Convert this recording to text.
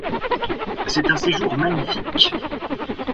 C'est un séjour magnifique.